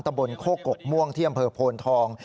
ตะบนโคกกม่วงเที่ยมเผอร์โพนทอง